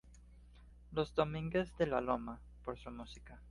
Los "Domínguez de La Loma" por su música.